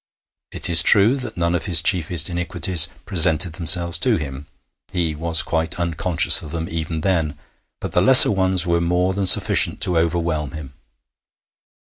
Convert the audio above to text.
It is true that none of his chiefest iniquities presented themselves to him; he was quite unconscious of them even then; but the lesser ones were more than sufficient to overwhelm him.